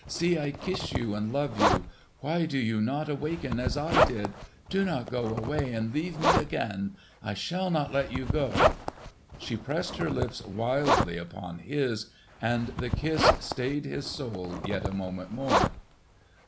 See, I kiss you and love you. Why do you not awaken as I did? Do not go away and leave me again! I shall not let you go!" She pressed her lips wildly upon his, and the kiss stayed his soul yet a moment more.